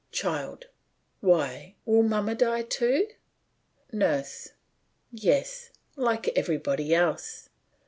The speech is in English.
CHILD: Why, will mamma die too! NURSE: Yes, like everybody else.